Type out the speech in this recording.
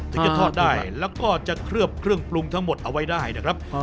ถึงจะทอดได้แล้วก็จะเคลือบเครื่องปรุงทั้งหมดเอาไว้ได้นะครับ